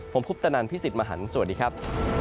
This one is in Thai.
ผมพุทธนันทร์พี่สิทธิ์มหันธ์สวัสดีครับ